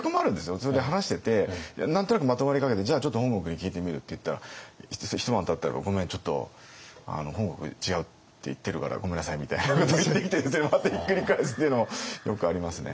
それで話してて何となくまとまりかけて「じゃあちょっと本国に聞いてみる」って言ったら一晩たったら「ごめんちょっと本国違うって言ってるからごめんなさい」みたいなこと言ってきてまたひっくり返すっていうのもよくありますね。